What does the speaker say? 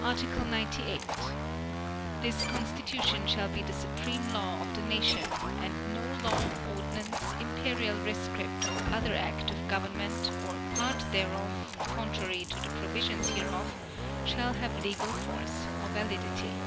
Article 98. This Constitution shall be the supreme law of the nation and no law, ordinance, imperial rescript or other act of government, or part thereof, contrary to the provisions hereof, shall have legal force or validity.